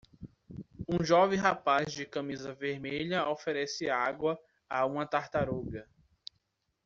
Um jovem rapaz de camisa vermelha oferece água a uma tartaruga.